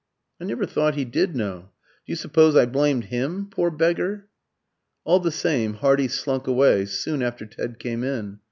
"I never thought he did know. Do you suppose I blamed him, poor beggar?" All the same, Hardy slunk away soon after Ted came in.